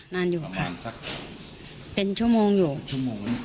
นานอยู่ประมาณสักเป็นชั่วโมงอยู่เป็นชั่วโมงน่ะ